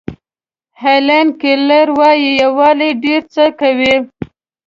هیلن کیلر وایي یووالی ډېر څه کوي.